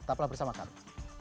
tetap bersama kami